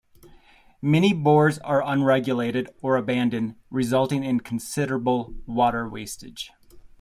Many bores are unregulated or abandoned, resulting in considerable water wastage.